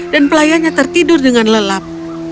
dan pelayannya tertidur dengan lelap